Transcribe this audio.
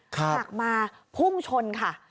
หักมาพุ่งชนค่ะ